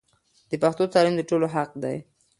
د پښتو تعلیم د ټولو حق دی.